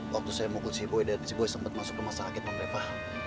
waktu saya mukul si boy dan si boy sempet masuk rumah sakit non reva